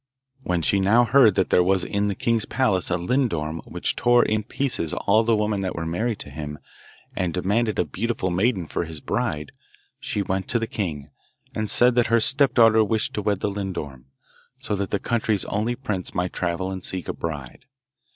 When she now heard that there was in the king's palace a lindorm which tore in pieces all the women that were married to him, and demanded a beautiful maiden for his bride, she went to the king, and said that her stepdaughter wished to wed the lindorm, so that the country's only prince might travel and seek a bride.